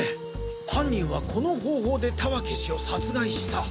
犯人はこの方法で田分氏を殺害した！？